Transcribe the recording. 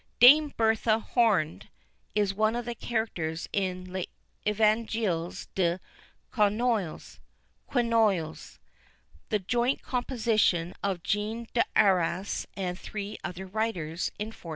"Dame Bertha horned," is one of the characters in_ Les Evangiles des Conoilles_ (Quenouilles), the joint composition of Jean d'Arras and three other writers, in 1475.